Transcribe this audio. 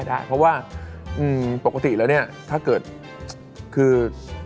ได้เพราะว่าปกติแล้วเนี่ยถ้าเกิดคือ